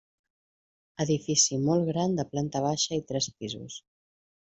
Edifici molt gran de planta baixa i tres pisos.